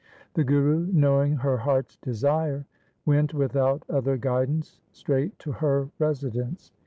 The Guru knowing her heart's desire went without other guidance straight to her residence.